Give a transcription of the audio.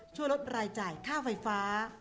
ช่วยลดรายจ่ายค่าไฟฟ้า